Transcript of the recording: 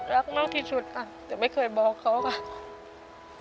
รักมากที่สุดค่ะแต่ไม่เคยบอกเขาค่ะ